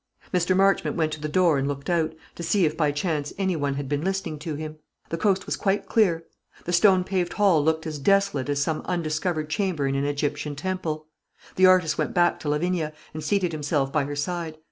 Mr. Marchmont went to the door and looked out, to see if by chance any one had been listening to him. The coast was quite clear. The stone paved hall looked as desolate as some undiscovered chamber in an Egyptian temple. The artist went back to Lavinia, and seated himself by her side.